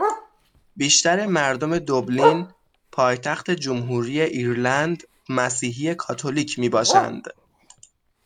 بیشتر مردم دوبلین پایتخت جمهوری ایرلند مسیحی کاتولیک میباشند